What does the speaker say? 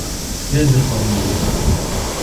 Я и зеркал не вижу.